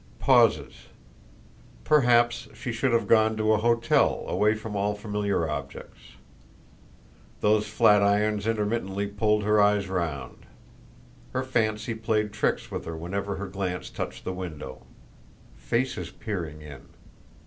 Pauses. Perhaps she should have gone to a hotel, away from all familiar objects. Those flatirons intermittently pulled her eyes round. Her fancy played tricks with her whenever her glance touched the window. Faces peering in.